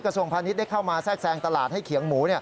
ส่วนพาณิชย์ได้เข้ามาแทรกแซงตลาดให้เขียงหมู